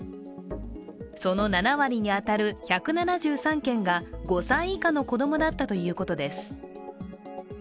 その７割に当たる１７３件が５歳以下の子供だったということです。